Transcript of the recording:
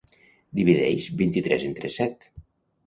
Divideix vint-i-tres entre set.